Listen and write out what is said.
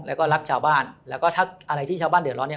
แล้วก็รักชาวบ้านแล้วก็ถ้าอะไรที่ชาวบ้านเดือดร้อนเนี่ย